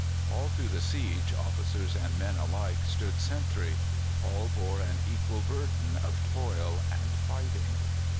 All through the siege officers and men alike stood sentry; all bore an equal burden of toil and fighting.